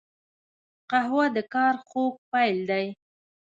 قهوه د کار خوږ پیل دی